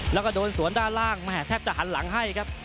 แล้วก็โดนสวนด้านล่างแทบจะหันหลังให้ครับ